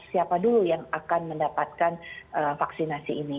siapa dulu yang akan mendapatkan vaksinasi ini